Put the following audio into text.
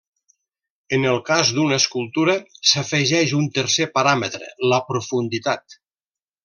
En el cas d'una escultura s'afegeix un tercer paràmetre la profunditat.